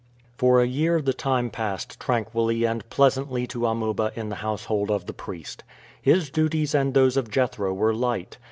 For a year the time passed tranquilly and pleasantly to Amuba in the household of the priest. His duties and those of Jethro were light.